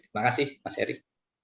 terima kasih mas heri